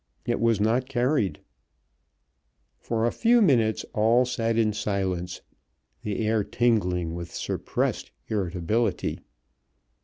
It was not carried. For a few minutes all sat in silence, the air tingling with suppressed irritability.